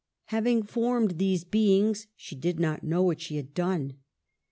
Having formed these beings, she did not know what she had done.